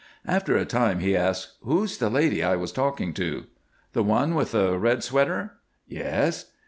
After a time he asked, "Who's the lady I was talking to?" "The one with the red sweater?" "Yes."